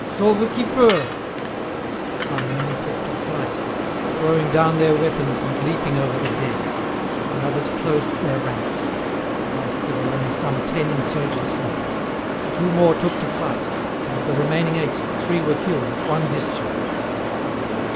Sauve qui peut!" Some men took to flight, throwing down their weapons and leaping over the dead. The others closed their ranks. At last there were only some ten insurgents left. Two more took to flight, and of the remaining eight three were killed at one discharge.